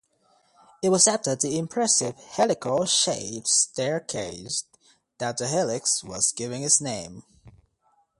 It was after the impressive helical-shaped staircase that The Helix was given its name.